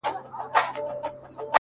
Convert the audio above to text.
روغ دې وزرونه پانوسونو ته به څه وایو٫